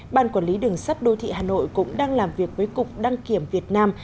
ban quản lý đường sắt đô thị hà nội cũng đang làm việc với cục đăng kiểm việt nam